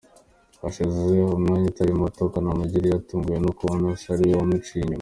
Hashize umwanya utari muto Kanamugire yatunguwe no kubona se ariwe wamuciye inyuma.